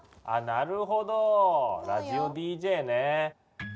あなるほどラジオＤＪね。